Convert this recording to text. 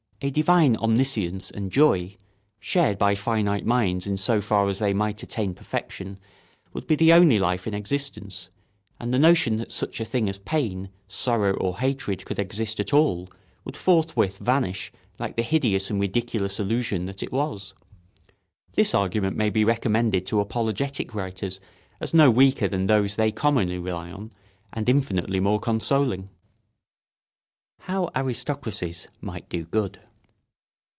A divine omniscience and joy, shared by finite minds in so far as they might attain perfection, would be the only life in existence, and the notion that such a thing as pain, sorrow, or hatred could exist at all would forthwith vanish like the hideous and ridiculous illusion that it was. This argument may be recommended to apologetic writers as no weaker than those they commonly rely on, and infinitely more consoling. [Sidenote: How aristocracies might do good.